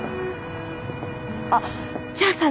あっじゃあさ